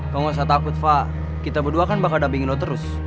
kau nggak usah takut fa kita berdua kan bakal dapingin lo terus